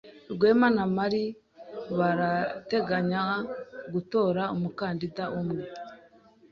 Rwema na Mary barateganya gutora umukandida umwe.